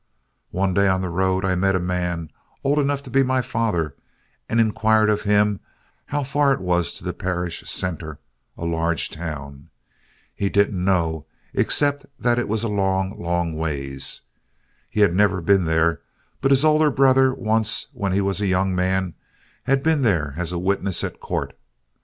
One day on the road, I met a man, old enough to be my father, and inquired of him how far it was to the parish centre, a large town. He didn't know, except it was a long, long ways. He had never been there, but his older brother, once when he was a young man, had been there as a witness at court.